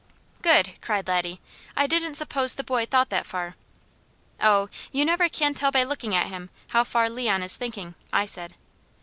"Good!" cried Laddie. "I didn't suppose the boy thought that far." "Oh, you never can tell by looking at him, how far Leon is thinking," I said.